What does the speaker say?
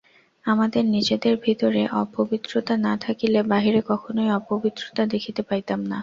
আমাদের নিজেদের ভিতরে অপবিত্রতা না থাকিলে বাহিরে কখনই অপবিত্রতা দেখিতে পাইতাম না।